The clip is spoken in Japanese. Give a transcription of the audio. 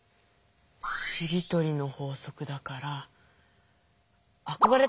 「しりとりの法則」だから。